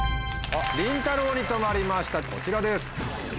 りんたろうに止まりましたこちらです。